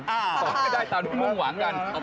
ก็ได้ตามทุกคนหวังกัน